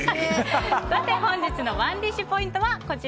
本日のＯｎｅＤｉｓｈポイント